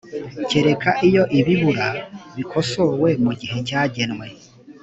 kereka iyo ibibura bikosowe mu gihe cyagenwe.